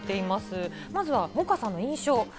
まずは萌歌さんの印象。